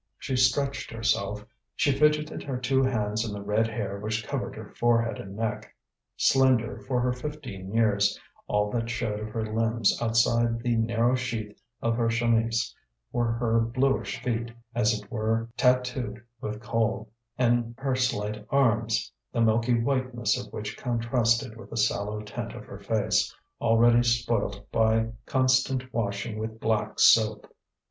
She stretched herself, she fidgeted her two hands in the red hair which covered her forehead and neck. Slender for her fifteen years, all that showed of her limbs outside the narrow sheath of her chemise were her bluish feet, as it were tattooed with coal, and her slight arms, the milky whiteness of which contrasted with the sallow tint of her face, already spoilt by constant washing with black soap.